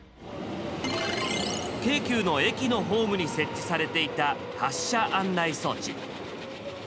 京急の駅のホームに設置されていた発車案内装置。